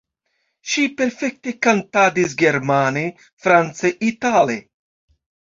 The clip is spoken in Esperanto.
Ŝi perfekte kantadis germane, france, itale.